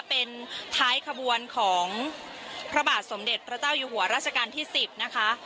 เป็นท้ายขบวนของพระบาทสมเด็จพระเจ้าอยู่หัวราชการที่๑๐นะคะ